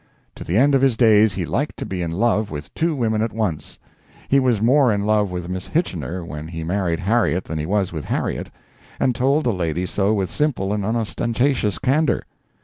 To the end of his days he liked to be in love with two women at once. He was more in love with Miss Hitchener when he married Harriet than he was with Harriet, and told the lady so with simple and unostentatious candor.